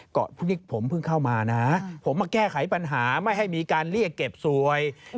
พรุ่งนี้ผมเพิ่งเข้ามานะผมมาแก้ไขปัญหาไม่ให้มีการเรียกเก็บสวย